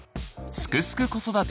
「すくすく子育て」